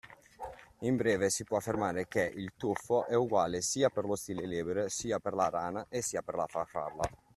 In beve si può affermare che il tuffo è uguale sia per lo stile libero, sia per la rana e sia per la farfalla.